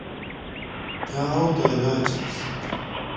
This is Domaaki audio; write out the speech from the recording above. تھَݳ اَوتݳ رݳ چھݵس.